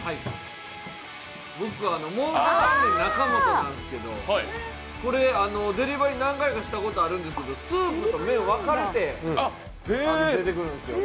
僕、蒙古タンメン中本なんですけどデリバリー、何回かしたことあるんですけど、スープと麺分かれて出てくるんですよ。